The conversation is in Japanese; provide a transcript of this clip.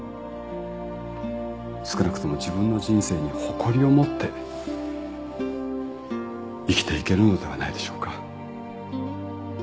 少なくとも自分の人生に誇りを持って生きていけるのではないでしょうか。